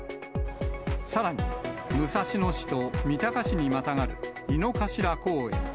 さらに、武蔵野市と三鷹市にまたがる井の頭公園。